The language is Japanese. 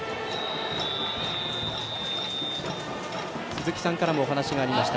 鈴木さんからもお話がありました。